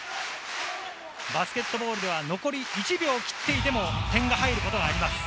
バスケットボールでは残り１秒を切っていても点が入ることがあります。